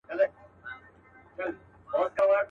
زما یادیږي د همدې اوبو پر غاړه.